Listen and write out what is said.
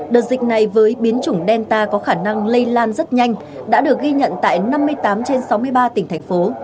đợt dịch này với biến chủng delta có khả năng lây lan rất nhanh đã được ghi nhận tại năm mươi tám trên sáu mươi ba tỉnh thành phố